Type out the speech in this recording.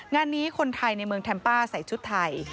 งานนี้คนไทยในเมืองแทมป้าใส่ชุดไทย